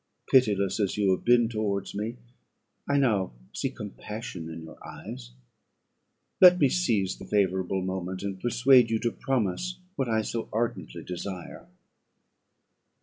Pitiless as you have been towards me, I now see compassion in your eyes; let me seize the favourable moment, and persuade you to promise what I so ardently desire."